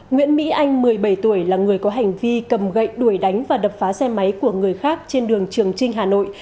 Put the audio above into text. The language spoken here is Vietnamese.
nguyễn mỹ anh một mươi bảy tuổi là người có hành vi cầm gậy đuổi đánh và đập phá xe máy của người khác trên đường trường trinh hà nội